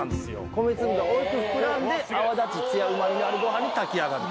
米粒が大きく膨らんで泡立ちツヤうまみのあるごはんに炊き上がる。